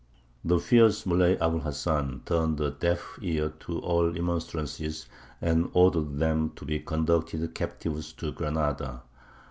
The fierce Muley Abu l Hasan turned a deaf ear to all remonstrances, and ordered them to be conducted captives to Granada.